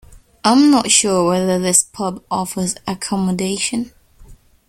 I’m not sure whether this pub offers accommodation